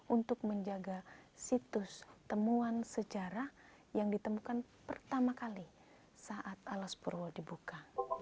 untuk menjaga situs temuan sejarah yang ditemukan pertama kali saat alas purwo dibuka